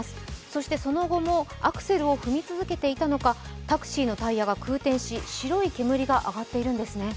そしてその後もアクセルを踏み続けていたのかタクシーのタイヤが空転し白い煙が上がっているんですね。